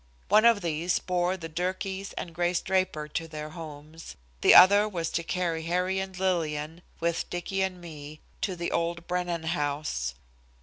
One of these bore the Durkees and Grace Draper to their homes; the other was to carry Harry and Lillian, with Dicky and me, to the old Brennan house.